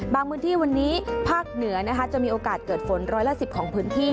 บางพื้นที่วันนี้ภาคเหนือนะคะจะมีโอกาสเกิดฝนร้อยละ๑๐ของพื้นที่